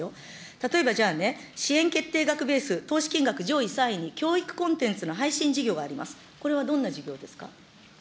例えばじゃあね、支援決定額ベース、投資金額上位３位に教育コンテンツの配信事業があります。